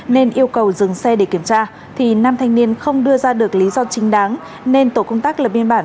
nên yêu cầu dừng xe để kiểm tra thì nam thanh niên không đưa ra được lý do chính đáng nên tổ công tác lập biên bản